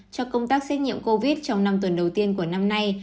cho công tác xét nghiệm covid trong năm tuần đầu tiên của năm nay